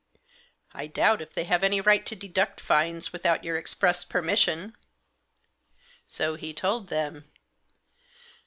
" I doubt if they have any right to deduct fines without your express permission." So he told them.